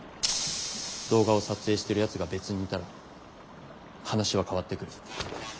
動画を撮影してるやつが別にいたら話は変わってくる。